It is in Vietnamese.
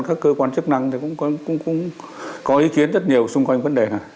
các cơ quan chức năng thì cũng có ý kiến rất nhiều xung quanh vấn đề này